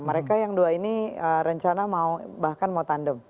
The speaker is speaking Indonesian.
mereka yang dua ini rencana mau bahkan mau tandem